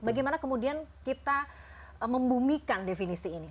bagaimana kemudian kita membumikan definisi ini